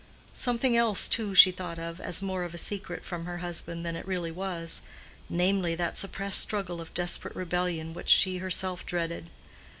Something else, too, she thought of as more of a secret from her husband than it really was—namely that suppressed struggle of desperate rebellion which she herself dreaded.